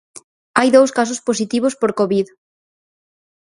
Hai dous casos positivos por Covid.